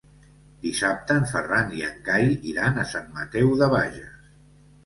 Dissabte en Ferran i en Cai iran a Sant Mateu de Bages.